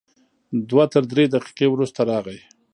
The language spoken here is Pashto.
دوه تر درې دقیقې وروسته راغی.